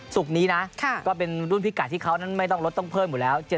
ศุกร์นี้นะก็เป็นรุ่นพิกัดที่เขานั้นไม่ต้องลดต้องเพิ่มอยู่แล้ว